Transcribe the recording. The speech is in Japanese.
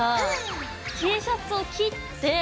Ｔシャツを切って。